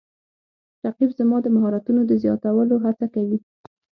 رقیب زما د مهارتونو د زیاتولو هڅه کوي